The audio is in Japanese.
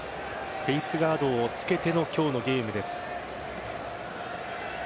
フェースガードをつけての今日のゲームです。